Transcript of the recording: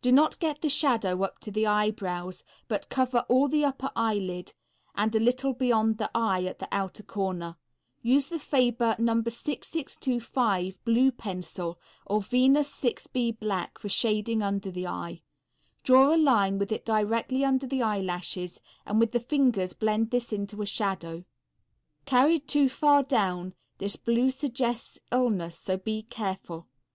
Do not get the shadow up to the eyebrows, but cover all the upper eyelid, and a little beyond the eye at the outer corner. Use the Faber No. 6625 blue pencil or Venus 6B black for shading under the eye. Draw a line with it directly under the eyelashes, and with the fingers blend this into a shadow. Carried too far down this blue suggests illness, so be careful.